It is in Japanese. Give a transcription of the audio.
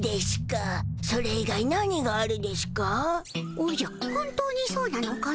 おじゃ本当にそうなのかの？